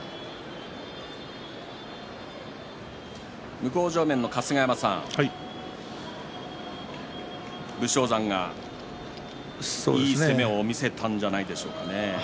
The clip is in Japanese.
向正面の春日山さん武将山がいい攻めを見せたんじゃないでしょうかね。